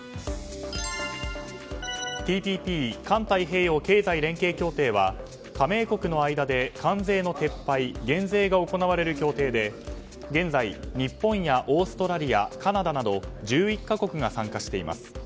ＴＰＰ・環太平洋経済連携協定は加盟国の間で関税の撤廃・減税が行われる協定で現在、日本やオーストラリアカナダなど１１か国が参加しています。